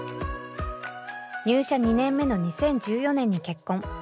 入社２年目の２０１４年に結婚。